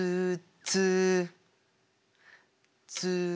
ツーツー。